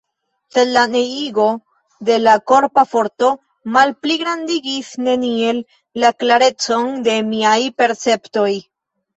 Sed la neniigo de la korpa forto malpligrandigis neniel la klarecon de miaj perceptoj.